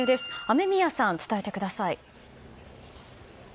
雨宮さん、伝えてください。